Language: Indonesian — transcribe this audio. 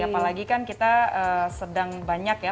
apalagi kan kita sedang banyak ya